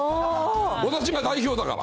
私が代表だから。